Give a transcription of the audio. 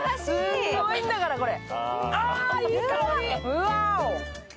すごいんだから、これ。